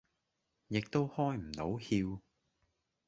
亦都開唔到竅